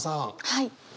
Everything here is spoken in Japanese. はい。